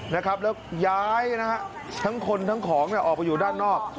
แล้วย้ายทั้งคนทั้งของออกไปอยู่ด้านนอก